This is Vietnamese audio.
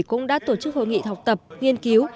cũng đã tổ chức hội nghị học tập nghiên cứu